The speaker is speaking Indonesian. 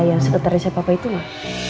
yang sekretarisnya papa itu mah